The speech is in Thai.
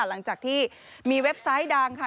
หลังจากที่มีเว็บไซต์ดังค่ะ